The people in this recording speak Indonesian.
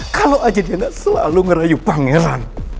kalau aja dia gak selalu ngerayu pangeran